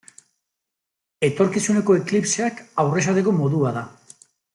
Etorkizuneko eklipseak aurresateko modua da.